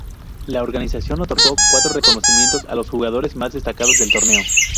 La organización otorgó cuatro reconocimientos a los jugadores más destacados del torneo.